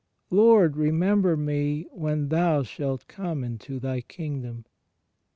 "Lord, remem ber me when Thou shalt come into Thy kingdom."